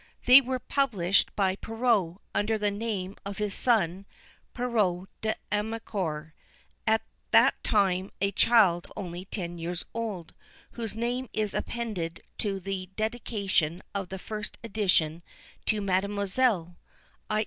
They were published by Perrault, under the name of his son, Perrault D'Armancour, at that time a child only ten years old, whose name is appended to the dedication of the first edition to "Mademoiselle," _i.